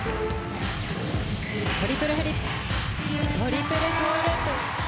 トリプルフリップトリプルトウループ。